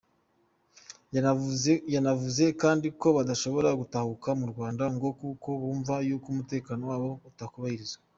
Yanavuze kandi ko badashobora gutahuka mu Rwanda ngo kuko bumva yuko umutekano wabo utakubahirizwa.